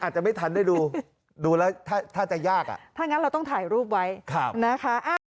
อาจจะไม่ทันได้ดูดูแล้วถ้าจะยากอ่ะถ้างั้นเราต้องถ่ายรูปไว้นะคะ